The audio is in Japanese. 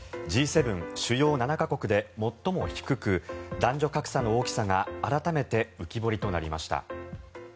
Ｇ７・主要７か国で最も低く男女格差の大きさが改めて浮き彫りとなりました。